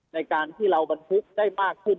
ในการที่เราบรรทุกได้มากขึ้น